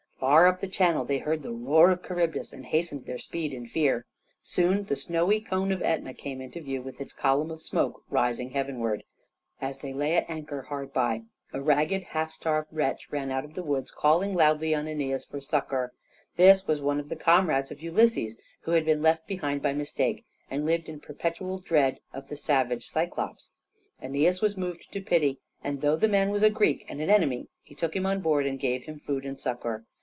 Far up the channel they heard the roar of Charybdis and hastened their speed in fear. Soon the snowy cone of Etna came into view with its column of smoke rising heavenward. As they lay at anchor hard by, a ragged, half starved wretch ran out of the woods calling loudly on Æneas for succor. This was one of the comrades of Ulysses, who had been left behind by mistake, and lived in perpetual dread of the savage Cyclôpes. Æneas was moved to pity, and though the man was a Greek and an enemy, he took him on board and gave him food and succor.